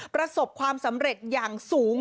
ประสบความสำเร็จอย่างสูง